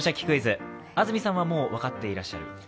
クイズ」、安住さんはもう分かっていらっしゃる？